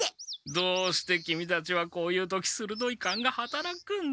どうしてキミたちはこういう時するどい勘がはたらくんだ。